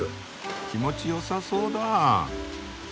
気持ちよさそうだ。